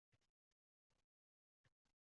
O`g`limni uyiga hech kim kelmasin